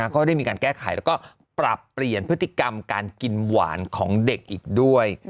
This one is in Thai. ก็ได้มีการแก้ไขแล้วก็ปรับเปลี่ยนพฤติกรรมการกินหวานของเด็กอีกด้วย